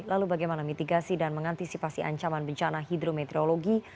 lalu bagaimana mitigasi dan mengantisipasi ancaman bencana hidrometeorologi